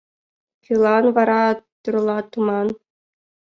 Кӧлан вара тӧрлатыман?